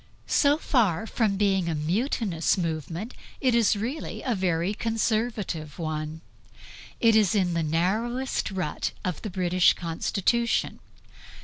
So far from being a mutinous movement, it is really a very Conservative one; it is in the narrowest rut of the British Constitution.